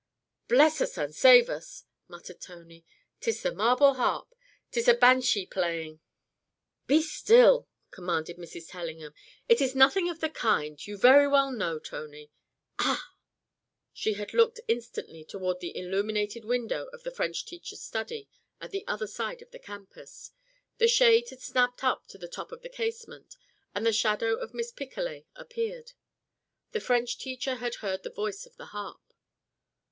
"Bless us and save us!" muttered Tony. "'Tis the marble harp. 'Tis a banshee playin'." "Be still!" commanded Mrs. Tellingham. "It is nothing of the kind, you very well know, Tony. Ah!" She had looked instantly toward the illuminated window of the French teacher's study at the other side of the campus. The shade had snapped up to the top of the casement, and the shadow of Miss Picolet appeared. The French teacher had heard the voice of the harp.